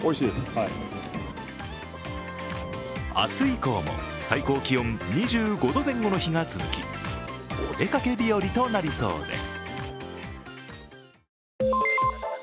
明日以降も最高気温２５度前後の日が続き、お出かけ日和となりそうです。